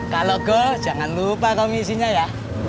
kalau gol jangan lupa komisinya ya